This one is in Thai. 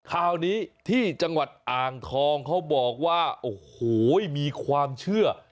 คราวนี้ที่จังหวัดอ่างทองเขาบอกว่าโอ้โหมีความเชื่อ